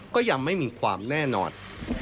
ก็ยังไม่มีความแน่นอน